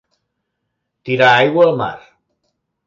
Tirar aigua al mar.